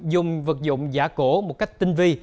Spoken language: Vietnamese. dùng vật dụng giả cổ một cách tinh vi